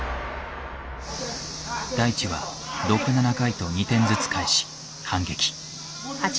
大智は６７回と２点ずつ返し反撃。